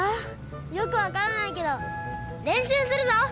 よくわからないけどれんしゅうするぞ！